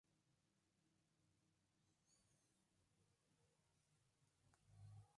En la portada de la partitura publicada se ve la fotografía del joven actor.